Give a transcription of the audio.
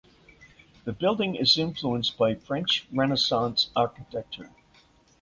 The building is influenced by French Renaissance architecture.